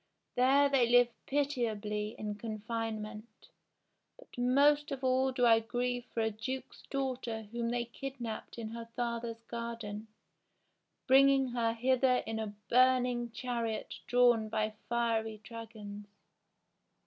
There they live pitiably in confinement ; but most of all do I grieve for a duke's daughter whom they kid napped in her father's garden, bringing her hither in a burn ing chariot drawn by fiery dragons.